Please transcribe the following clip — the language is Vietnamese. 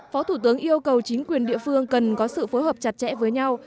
phó thủ tướng yêu cầu chính quyền địa phương cần có sự phối hợp chặt chẽ với nhau